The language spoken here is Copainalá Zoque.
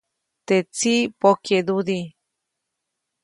Teʼ tsiʼ pokyeʼdudi.